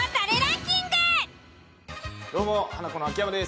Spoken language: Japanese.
どうもハナコの秋山です。